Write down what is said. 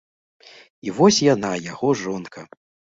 І вось яна яго жонка.